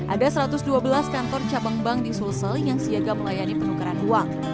ada satu ratus dua belas kantor cabang bank di sulsel yang siaga melayani penukaran uang